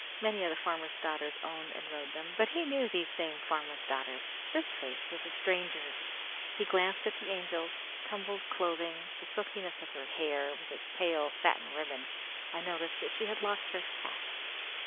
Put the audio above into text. Many of the farmers' daughters owned and rode them, but he knew these same farmers' daughters; this face was a stranger's. He glanced at the Angel's tumbled clothing, the silkiness of her hair, with its pale satin ribbon, and noticed that she had lost her hat.